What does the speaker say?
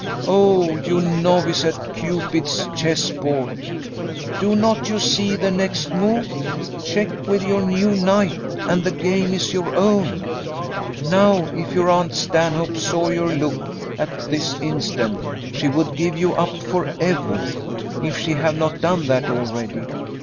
Oh, you novice at Cupid's chess board! do not you see the next move? Check with your new knight, and the game is your own. Now, if your aunt Stanhope saw your look at this instant, she would give you up for ever if she have not done that already.